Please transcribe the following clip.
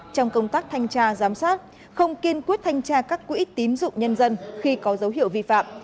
trong công tác thanh tra giám sát không kiên quyết thanh tra các quỹ tín dụng nhân dân khi có dấu hiệu vi phạm